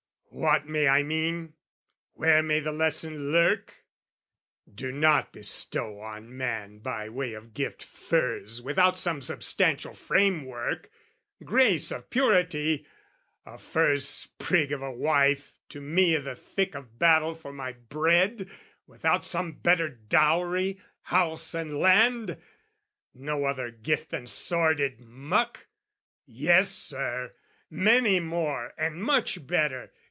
What may I mean, where may the lesson lurk? "Do not bestow on man by way of gift "Furze without some substantial framework, grace "Of purity, a furze sprig of a wife, "To me i' the thick of battle for my bread, "Without some better dowry, house and land!" No other gift than sordid muck? Yes, Sir! Many more and much better.